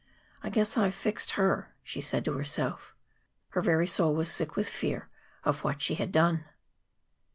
"I guess I've fixed her," she said to herself. Her very soul was sick with fear of what she had done.